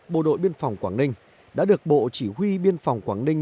bộ đội biên phòng quảng ninh đã được bộ chỉ huy biên phòng quảng ninh